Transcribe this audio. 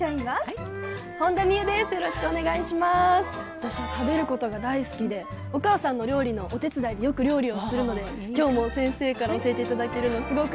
私は食べることが大好きでお母さんの料理のお手伝いでよく料理をするので今日も先生から教えて頂けるのすごく楽しみにしてます。